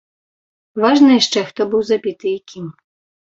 Важна яшчэ, хто быў забіты і кім.